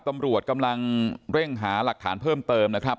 ตำรวจกำลังเร่งหาหลักฐานเพิ่มเติมนะครับ